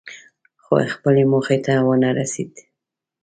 خو خپلې موخې ته ونه رسېد.